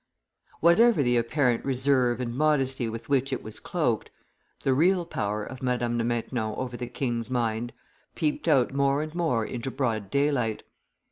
Whatever the apparent reserve and modesty with which it was cloaked, the real power of Madame de Maintenon over the king's mind peeped out more and more into broad daylight.